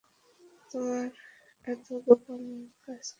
তোমার এতো গোপন কাজ কীসের?